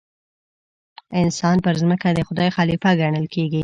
انسان پر ځمکه د خدای خلیفه ګڼل کېږي.